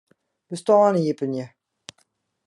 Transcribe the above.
Bestân iepenje.